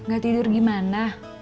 gak tidur gimana